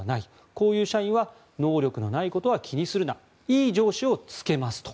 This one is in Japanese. こういう社員は能力のないことは気にするないい上司をつけますと。